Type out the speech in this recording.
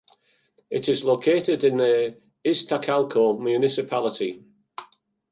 It is located in the Iztacalco municipality.